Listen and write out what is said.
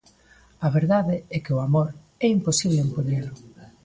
A verdade é que o amor é imposible impoñelo.